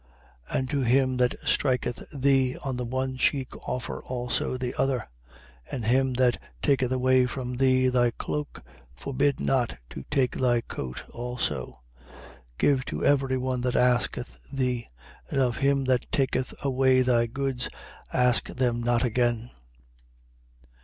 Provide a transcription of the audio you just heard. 6:29. And to him that striketh thee on the one cheek, offer also the other. And him that taketh away from thee thy cloak, forbid not to take thy coat also. 6:30. Give to every one that asketh thee: and of him that taketh away thy goods, ask them not again.